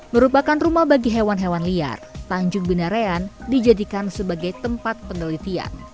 merupakan rumah bagi hewan hewan liar tanjung binarean dijadikan sebagai tempat penelitian